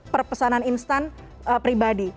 perpesanan instan pribadi